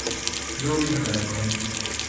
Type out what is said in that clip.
جو بھی حقائق ہوں۔